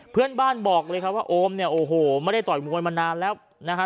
บอกเลยครับว่าโอมเนี่ยโอ้โหไม่ได้ต่อยมวยมานานแล้วนะฮะ